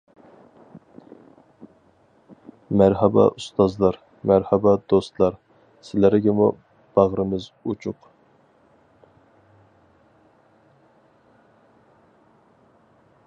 مەرھابا ئۇستازلار، مەرھابا دوستلار، سىلەرگىمۇ باغرىمىز ئۇچۇق.